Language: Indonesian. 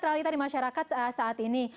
teralita di masyarakat saat ini